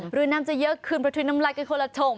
หรือน้ำจะเยอะคืนประทุยน้ำลายกันคนละถง